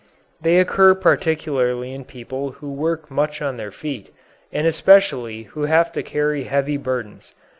They occur particularly in people who work much on their feet, and especially who have to carry heavy burdens.